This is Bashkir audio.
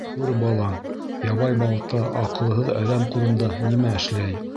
— Күр, балам, ябай балта аҡылһыҙ әҙәм ҡулында нимә эшләй.